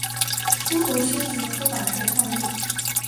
孤独星球出版社创立。